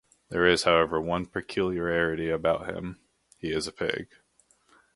There is, however, one peculiarity about him - he is a pig.